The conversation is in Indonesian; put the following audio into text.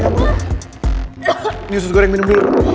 ini susu goreng minum dulu